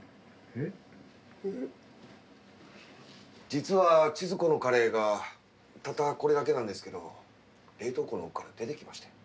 実は千鶴子のカレーがたったこれだけなんですけど冷凍庫の奥から出てきまして。